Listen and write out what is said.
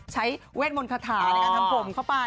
เวทมนต์คาถาในการทำผมเข้าไป